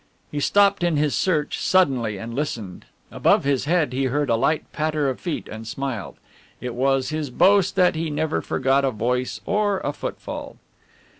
He stopped in his search suddenly and listened. Above his head he heard a light patter of feet, and smiled. It was his boast that he never forgot a voice or a footfall.